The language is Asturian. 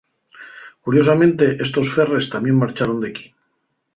Curiosamente estos ferres tamién marcharon d'equí.